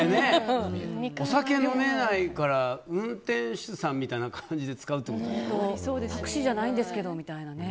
お酒を飲めないから運転手さんみたいな感じでタクシーじゃないんですけどみたいなね。